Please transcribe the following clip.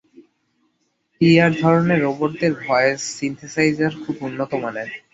PR ধরনের রোবটদের voice synthesiser খুব উন্নত মানের।